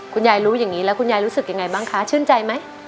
คุณยายรู้อย่างนี้แล้วคุณยายรู้สึกยังไงบ้างคะชื่นใจไหม